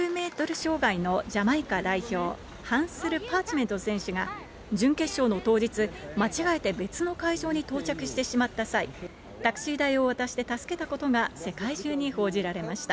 障害のジャマイカ代表、ハンスル・パーチメント選手が、準決勝の当日、間違えて別の会場に到着してしまった際、タクシー代を渡して助けたことが世界中に報じられました。